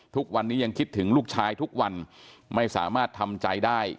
ทุกวันนี้ยังคิดถึงลูกชายทุกวันไม่สามารถทำใจได้